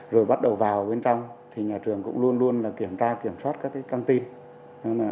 rồi bắt đầu vào bên trong thì nhà trường cũng luôn luôn kiểm tra kiểm soát các căng tin